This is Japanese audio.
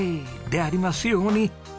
でありますように。